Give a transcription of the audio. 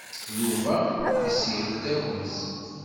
Yuba iseyyeq-d agens.